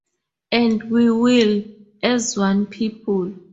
And we will, as one people.